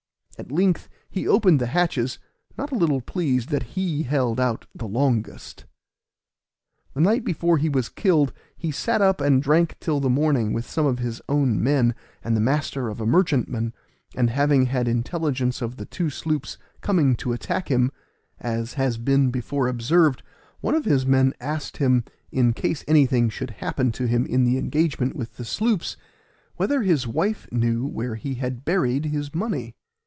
At length he opened the hatches, not a little pleased that he held out the longest. The night before he was killed he sat up and drank till the morning with some of his own men and the master of a merchantman; and having had intelligence of the two sloops coming to attack him, as has been before observed, one of his men asked him, in case anything should happen to him in the engagement with the sloops, whether his wife knew where he had buried his money?